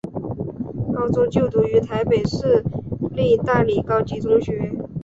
高中就读于台北市立大理高级中学。